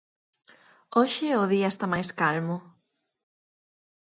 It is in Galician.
Hoxe o día está máis calmo.